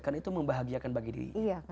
karena itu membahagiakan bagi diri